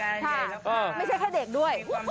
ใช่ไม่ใช่แค่เด็กด้วย